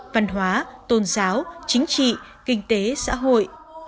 văn hóa tôn giáo chính trị kinh tế xã hội